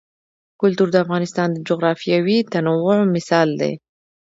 کلتور د افغانستان د جغرافیوي تنوع مثال دی.